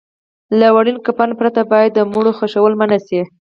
له وړین کفن پرته باید د مړو خښول منع شي.